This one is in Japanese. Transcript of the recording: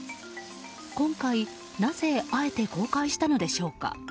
今回、なぜあえて公開したのでしょうか。